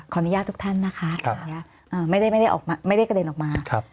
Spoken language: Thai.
ขออนุญาตทุกท่านนะคะไม่ได้กระเด็นออกมา